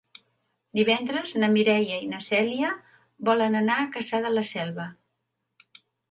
Divendres na Mireia i na Cèlia volen anar a Cassà de la Selva.